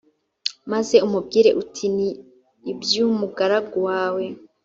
maze umubwire uti ni iby umugaragu wawe